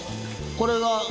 これが。